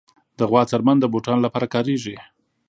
د غوا څرمن د بوټانو لپاره کارېږي.